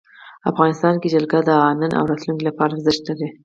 افغانستان کې جلګه د نن او راتلونکي لپاره ارزښت لري.